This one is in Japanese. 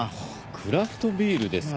クラフトビールですか。